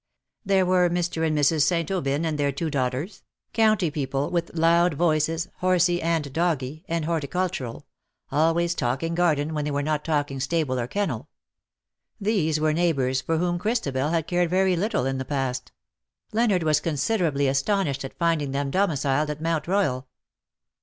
There were Mr. and Mrs. St. Aubyn and their two daughters — county people, with loud voices, horsey^ and doggy, and horticultural — always talking garden, when they were not talking stable or kennel. These were neighbours for whom Christabel had cared very little in the past. Leonard was considerably aston ished at finding them domiciled at Mount Royal.